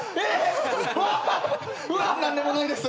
何でもないです。